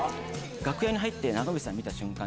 楽屋に入って長渕さん見た瞬間